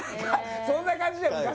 そんな感じだよ